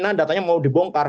pertamina datanya mau dibongkar